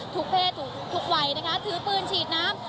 เพศทุกวัยนะคะถือปืนฉีดน้ำ